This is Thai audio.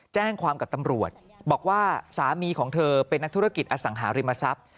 แจ้งความกับตำรวจบอกว่าสามีของเธอเป็นนักธุรกิจอสังหาริมทรัพย์